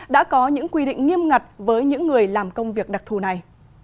đã có những quy định nghiêm ngặt với những người làm công việc đặc thù này